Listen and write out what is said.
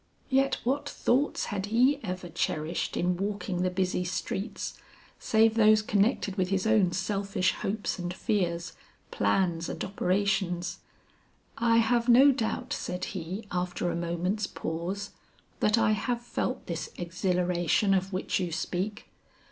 Yet what thoughts had he ever cherished in walking the busy streets, save those connected with his own selfish hopes and fears, plans and operations? "I have no doubt," said he after a moment's pause, "that I have felt this exhilaration of which you speak.